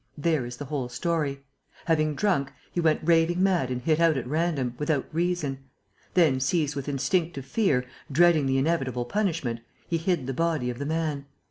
There is the whole story. Having drunk, he went raving mad and hit out at random, without reason. Then, seized with instinctive fear, dreading the inevitable punishment, he hid the body of the man.